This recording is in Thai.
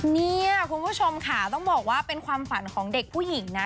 เนี่ยคุณผู้ชมค่ะต้องบอกว่าเป็นความฝันของเด็กผู้หญิงนะ